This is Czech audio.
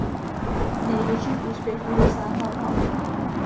Největších úspěchů dosáhla v hale.